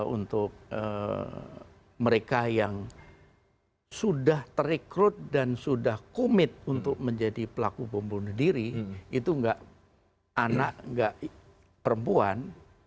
untuk mereka yang sudah terrekrut dan sudah komit untuk menjadi pelaku pembunuh diri itu enggak anak enggak perempuan